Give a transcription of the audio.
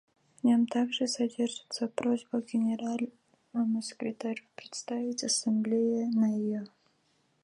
В нем также содержится просьба к Генеральному секретарю представить Ассамблее на ее.